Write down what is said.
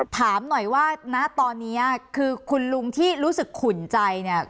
ถามหน่อยว่าณตอนนี้คือคุณลุงที่รู้สึกขุ่นใจเนี่ย